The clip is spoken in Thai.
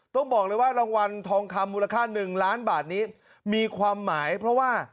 ต้องบอกเลยว่ารางวัลทองคำมูลค่า๑ล้านบาทนี้มีความหมายเพราะว่า